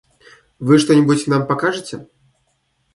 Вы что-нибудь нам покажете?